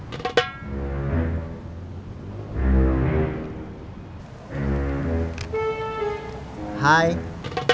terima kasih bos